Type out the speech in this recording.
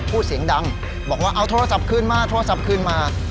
พูดเสียงดังบอกว่าเอาโทรศัพท์คืนมาโทรศัพท์คืนมา